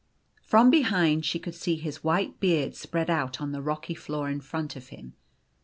From o ' behind she could see his white beard spread out on the rocky floor in front of him.